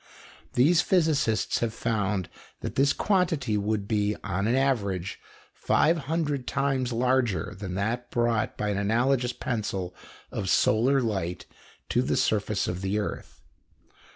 These physicists have found that this quantity would be, on an average, five hundred times larger than that brought by an analogous pencil of solar light to the surface of the earth.